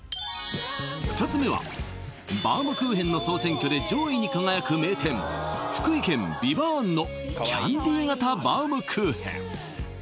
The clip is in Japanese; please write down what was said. ２つ目はバウムクーヘンの総選挙で上位に輝く名店福井県ＶＩＶＡＮＴのキャンディー型バウムクーヘン